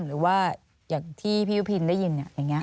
หรือว่าอย่างที่พี่ยุพินได้ยินอย่างนี้